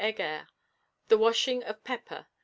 HEGER. THE WASHING OF 'PEPPER.'